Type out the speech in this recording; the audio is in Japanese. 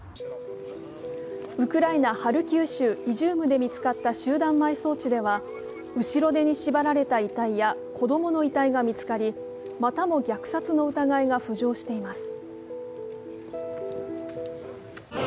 ウクライナ・ハルキウ州イジュームで見つかった集団埋葬地では後ろ手に縛られた遺体や子供の遺体が見つかりまたも虐殺の疑いが浮上しています。